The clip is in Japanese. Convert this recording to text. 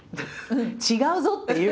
違うぞっていう。